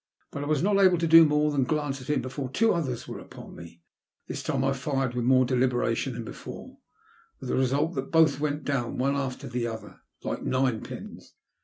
But I was not able to do more than glance at him before two others were upon me. This time I fired with more deliberation than before, with the result that both went down, one after the other, like ninepins.